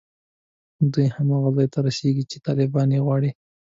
دوی هماغه ځای ته رسېږي چې طالبان یې غواړي